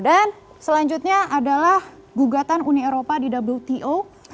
dan selanjutnya adalah gugatan uni eropa di wto